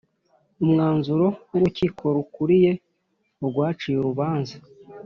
Umwanziro w Urukiko rukuriye urwaciye urubanza